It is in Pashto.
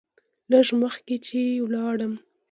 لږ مخکې چې لاړم.